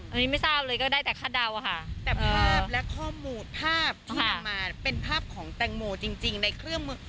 อันนี้ไม่ทราบเลยก็ได้แต่คาดเดาอะค่ะแต่ภาพและข้อมูลภาพที่นำมาเป็นภาพของแตงโมจริงในเครื่องมือ